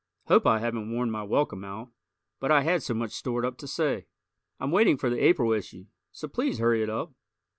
Hope I haven't worn my welcome out, but I had so much stored up to say. I'm waiting for the April issue, so please hurry it up.